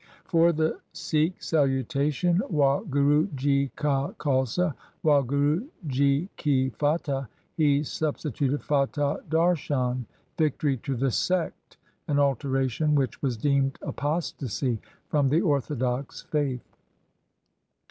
For the Sikh salutation, Wahguru ji ka Khalsa ! Wahguru ji ki faiah ! he substituted Fatah Darshan 'Victory to the sect', an alteration which was deemed apostasy from the orthodox faith.